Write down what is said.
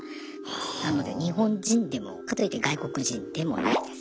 なので日本人でもかといって外国人でもないです。